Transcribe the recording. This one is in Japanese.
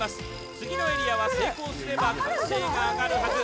次のエリアは成功すれば歓声が上がるはず